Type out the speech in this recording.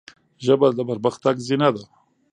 ژبه د پرمختګ زینه ده.